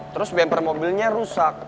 terus bemper mobilnya rusak